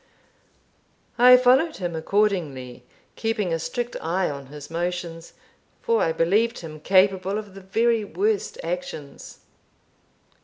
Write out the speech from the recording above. I followed him accordingly, keeping a strict eye on his motions, for I believed him capable of the very worst actions.